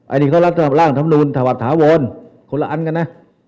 อันนี้ก็รัฐธรรมร่างรัฐธรรมนุนถวัดถาวนคนละอันกันนะ